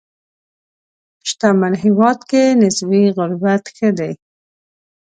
شتمن هېواد کې نسبي غربت ښه دی.